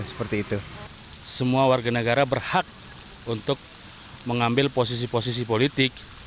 semua warga negara berhak untuk mengambil posisi posisi politik